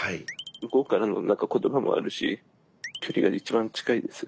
向こうからの何か言葉もあるし距離が一番近いんですよ。